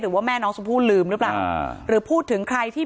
ว่าแม่น้องชมพู่ลืมหรือเปล่าอ่าหรือพูดถึงใครที่